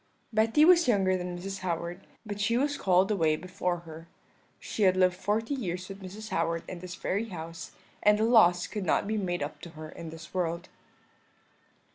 "Betty was younger than Mrs. Howard, but she was called away before her; she had lived forty years with Mrs. Howard in this very house, and the loss could not be made up to her in this world.